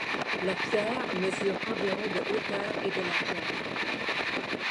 La pierre mesure environ de hauteur et de largeur.